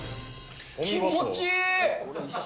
気持ちいい！